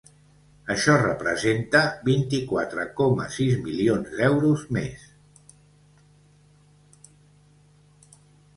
Això representa vint-i-quatre coma sis milions d’euros més.